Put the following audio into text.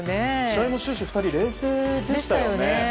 試合も終始２人冷静でしたよね。